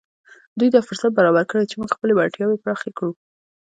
دوی دا فرصت برابر کړی چې موږ خپلې وړتیاوې پراخې کړو